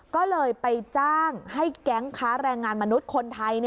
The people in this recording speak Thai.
ก็เลยไปจ้างให้แก๊งค้าแรงงานมนุษย์คนไทย